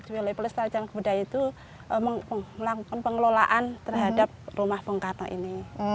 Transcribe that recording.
balai pelestarian cagar budaya itu melakukan pengelolaan terhadap rumah bung karno ini